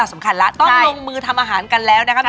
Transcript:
เราจะทำไปกันแล้วนะครับ